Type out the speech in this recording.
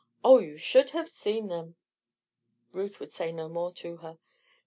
Oh! you should have seen them." Ruth would say no more to her.